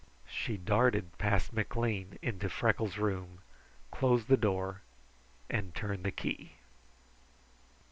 She darted past McLean into Freckles' room, closed the door, and turned the key.